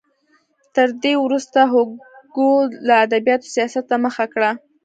تر دې وروسته هوګو له ادبیاتو سیاست ته مخه کړه.